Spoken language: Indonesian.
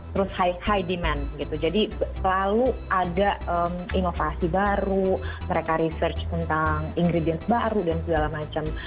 terus high demand gitu jadi selalu ada inovasi baru mereka research tentang ingredients baru dan segala macam